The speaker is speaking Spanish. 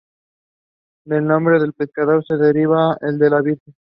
Del nombre del pescador se derivaría el de la Virgen.